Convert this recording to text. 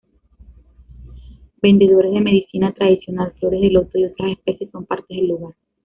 Vendedores de medicina tradicional, flores de loto y otras especies son parte del lugar.